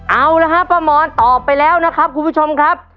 เอาละครับป้ามอนตอบไปแล้วนะครับคุณผู้ชมครับ